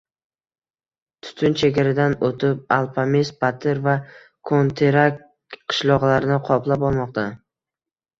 Tutun chegaradan o‘tib, Alpamis batir va Kokterek qishloqlarini qoplab olmoqda